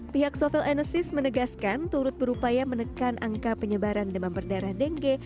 pihak sovel enesis menegaskan turut berupaya menekan angka penyebaran demam berdarah dengue